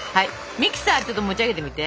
ミキサーちょっと持ち上げてみて。